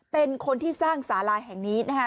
เป็นคนที่สร้างสาลาแห่งนี้นะคะ